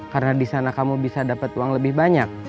karena di sana kamu bisa dapet uang lebih banyak